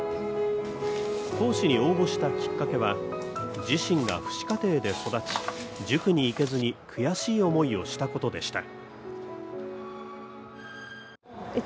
講師に応募したきっかけは、自身が父子家庭で育ち、塾に行けずに悔しい思いをしたことでした。